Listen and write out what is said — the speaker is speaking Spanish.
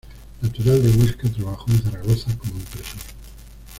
Natural de Huesca, trabajó en Zaragoza como impresor.